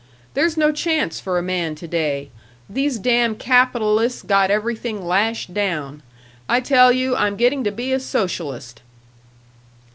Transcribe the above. There's no chance for a man to day these damn capitalists got everything lashed down. I tell you I'm getting to be a socialist."